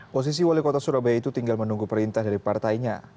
posisi wali kota surabaya itu tinggal menunggu perintah dari partainya